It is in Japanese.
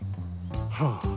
はあ。